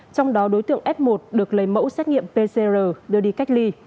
trong đó đối tượng f một được lấy mẫu xét nghiệm pcr đưa đi cách ly